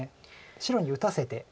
白に打たせて。